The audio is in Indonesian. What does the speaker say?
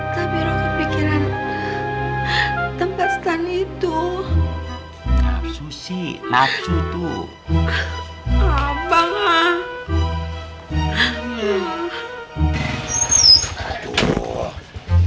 tapi roh kepikiran tempat stan itu nafsu sih nafsu tuh apakah